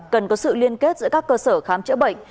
cần có sự liên kết giữa các cơ sở khám chữa bệnh